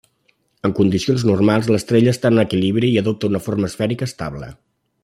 En condicions normals l'estrella està en equilibri i adopta una forma esfèrica estable.